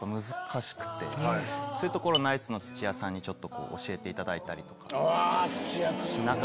そういうとこナイツの土屋さんに教えていただいたりとか。